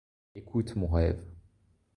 Écoute mon rêve.